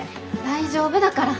大丈夫だから。